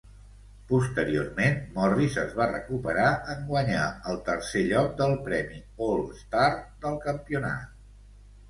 Posteriorment, Morris es va recuperar en guanyar el tercer lloc del Premi All-Star del campionat.